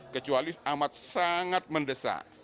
kecuali amat sangat mendesak